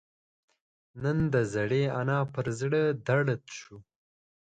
نن د زړې انا پر زړه دړد شو